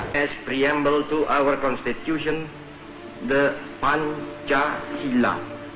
sebagai preambel untuk konstitusi kita pancasila